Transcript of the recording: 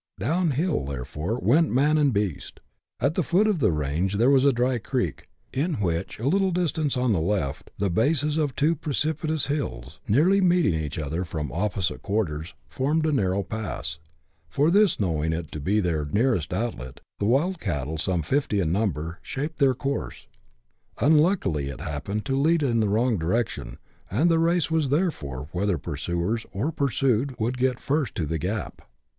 Down hill, therefore, went man and beast. At the foot of the range there was a dry creek, in which, at a little distance on the left, the bases of two precipitous hills, nearly meeting each other from opposite quarters, formed a narrow pass ; for this, knowing it to be their nearest outlet, the wild cattle, some fifty in number, shaped their course : unluckily it happened to lead in the wrong direction, and the race was, therefore, whether pursuers or pursued would get first to the gap.